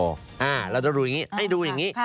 เราจะดูอย่างนี้ให้ดูอย่างนี้